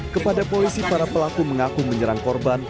kepada polisi para pelaku mengaku menyerang korban